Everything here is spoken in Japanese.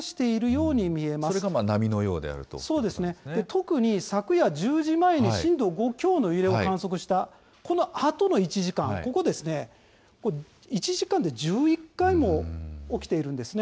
特に昨夜１０時前に震度５強の揺れを観測したこのあとの１時間、ここですね、１時間で１１回も起きているんですね。